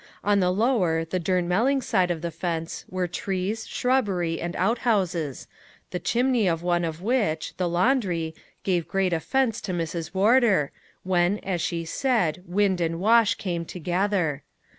On the lower, the Durnmelling side of the fence, were trees, shrubbery, and out houses the chimney of one of which, the laundry, gave great offense to Mrs. Wardour, when, as she said, wind and wash came together.